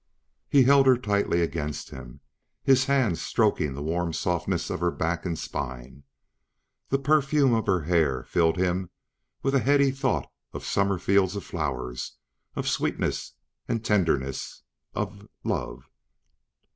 He held her tightly against him, his hands stroking the warm softness of her back and spine. The perfume of her hair filled him with a heady thought of summer fields of flowers, of sweetness and tenderness, of ... love.